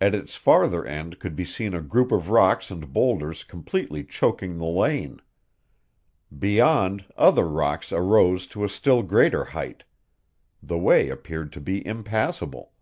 At its farther end could be seen a group of rocks and boulders completely choking the lane, Beyond, other rocks arose to a still greater height the way appeared to be impassable.